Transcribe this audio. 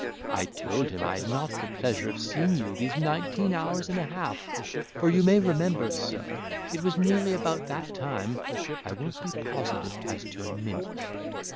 I told him I had not had the pleasure of seeing you these nineteen hours and a half; for you may remember, sir, it was nearly about that time; I won't be positive as to a minute."